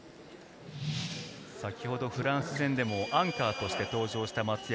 先ほどフランス戦でもアンカーとして登場した松山。